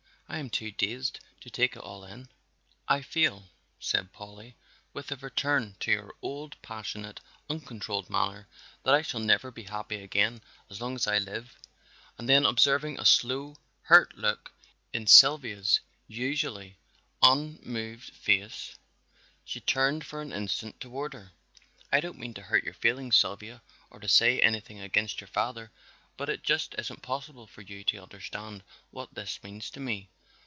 I am too dazed to take it all in." "I feel," said Polly, with a return to her old passionate, uncontrolled manner, "that I shall never be happy again as long as I live." And then observing a slow, hurt look in Sylvia Wharton's usually unmoved face, she turned for an instant toward her. "I don't mean to hurt your feelings, Sylvia, or to say anything against your father, but it just isn't possible for you to understand what this means to me."